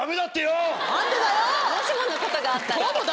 もしものことがあったら。